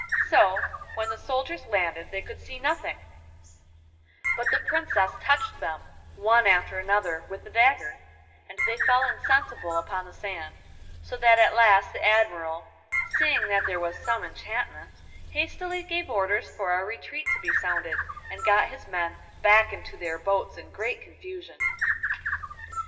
So when the soldiers landed they could see nothing, but the Princess touched them one after another with the dagger, and they fell insensible upon the sand, so that at last the Admiral, seeing that there was some enchantment, hastily gave orders for a retreat to be sounded, and got his men back into their boats in great confusion.